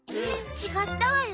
違ったわよ。